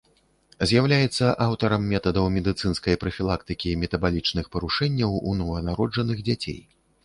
З'яўляецца аўтарам метадаў медыцынскай прафілактыкі метабалічных парушэнняў ў нованароджаных дзяцей.